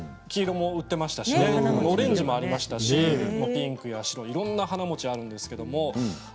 黄色も売っていましたしオレンジもありましたしピンクや白いろんな花餅があるんです。